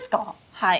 はい。